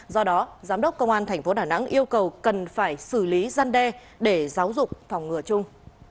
do đó giám đốc công an tp đà nẵng yêu cầu cần phải xử lý gian đe để giáo dục phòng ngừa chung